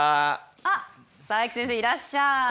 あっ佐伯先生いらっしゃい。